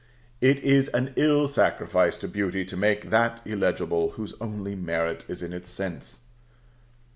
It is an ill sacrifice to beauty to make that illegible whose only merit is in its sense.